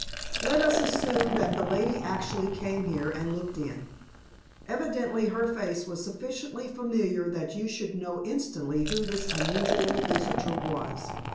"Let us assume that the lady actually came here, and looked in. Evidently, her face was sufficiently familiar that you should know instantly who this unusual visitor was.